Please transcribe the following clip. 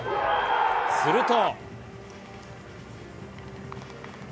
すると。